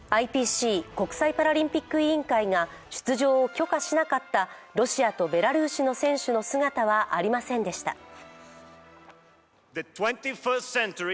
ＩＰＣ＝国際パラリンピック委員会が出場を許可しなかったロシアとベラルーシの選手の姿はありませんでした。